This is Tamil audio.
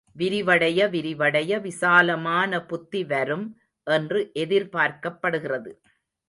விரிவடைய விரிவடைய விசாலமான புத்தி வரும் என்று எதிர்பார்க்கப் படுகிறது.